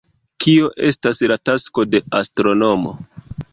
Kio estas la tasko de astronomo?